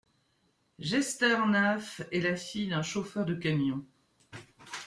Jester Naefe est la fille d'un chauffeur de camions.